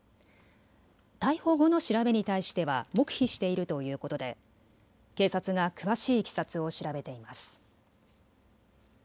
逮捕後の調べに対しては黙秘しているということで警察が詳しいいきさつを調べています。